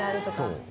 そう。